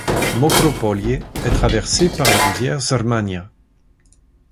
Mokro Polje est traversé par la rivière Zrmanja.